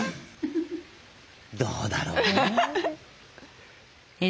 どうだろうな？